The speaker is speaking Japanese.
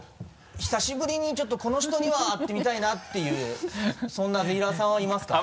久しぶりにちょっとこの人には会ってみたいなっていうそんなぜひらーさんはいますか？